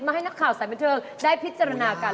ให้นักข่าวสายบันเทิงได้พิจารณากัน